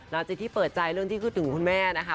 หลังจากที่เปิดใจเรื่องที่คิดถึงคุณแม่นะคะ